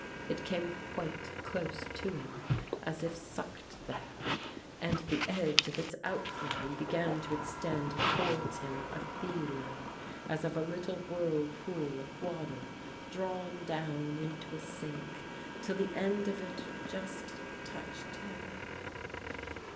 It came quite close to him, as if sucked there, and the edge of its outline began to extend towards him a feeler, as of a little whirlpool of water drawn down into a sink, till the end of it just touched him.